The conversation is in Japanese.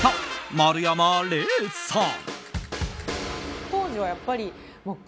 丸山礼さん。